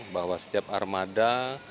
bahwa setiap armada